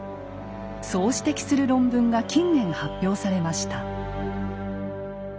そう指摘する論文が近年発表されました。